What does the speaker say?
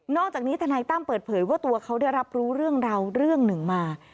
อกจากนี้ทนายตั้มเปิดเผยว่าตัวเขาได้รับรู้เรื่องราวเรื่องหนึ่งมา